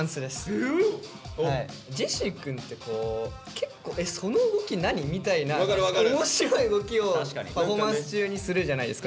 ジェシーくんって結構「その動き何？」みたいな面白い動きをパフォーマンス中にするじゃないですか。